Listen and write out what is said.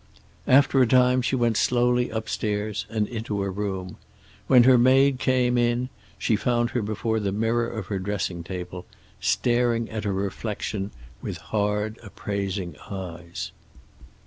After a time she went slowly upstairs and into her room. When her maid came in she found her before the mirror of her dressing table, staring at her reflection with hard, appraising eyes.